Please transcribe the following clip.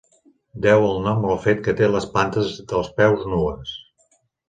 Deu el nom al fet que té les plantes dels peus nues.